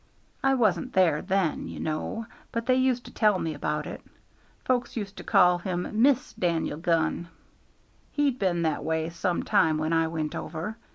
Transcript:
I wasn't there then, you know, but they used to tell me about it. Folks used to call him Miss Dan'el Gunn. "He'd been that way some time when I went over.